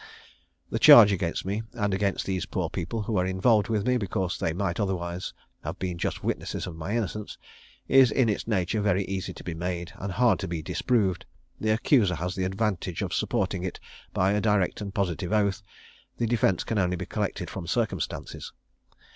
_ The charge against me, and against these poor people who are involved with me, because they might otherwise have been just witnesses of my innocence, is in its nature very easy to be made, and hard to be disproved. The accuser has the advantage of supporting it by a direct and positive oath; the defence can only be collected from circumstances.